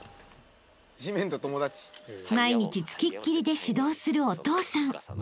［毎日付きっきりで指導するお父さん］